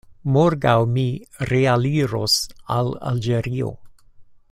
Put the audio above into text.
Morgaŭ mi realiros al Alĝerio.